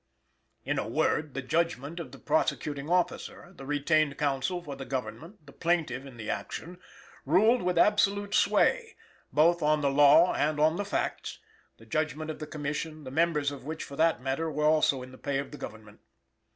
In a word, the judgment of the prosecuting officer the retained counsel for the Government, the plaintiff in the action ruled with absolute sway, both on the law and on the facts, the judgment of the Commission; the members of which, for that matter, were also in the pay of the Government.